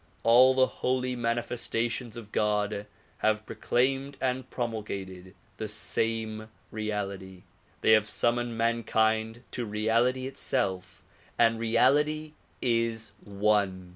All the holy manifestations of God have proclaimed and promulgated the same reality. They have summoned mankind to reality itself and reality is one.